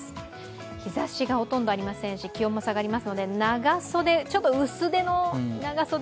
日ざしがほとんどありませんし気温も下がりますので長袖、ちょっと薄手の長袖。